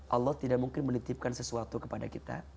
allah tidak mungkin menitipkan sesuatu kepada kita